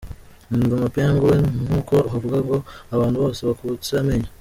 Umva mapengu we,n nkuko wavuga ngo abantu bose bakutse amenyo.